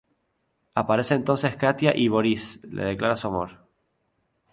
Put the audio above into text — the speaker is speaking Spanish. Aparece entonces Katia y Borís le declara su amor.